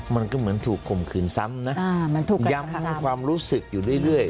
มันก็เหมือนถูกข่มขืนซ้ำนะย้ำความรู้สึกอยู่เรื่อย